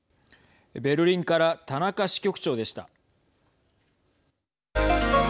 ベルリンから田中支局長でした。